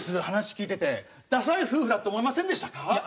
話聞いててダサい夫婦だって思いませんでしたか？